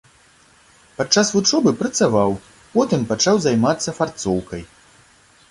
Падчас вучобы працаваў, потым пачаў займацца фарцоўкай.